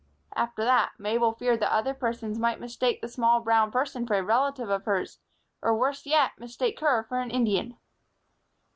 After that, Mabel feared that other persons might mistake the small brown person for a relative of hers, or, worse yet, mistake her for an Indian.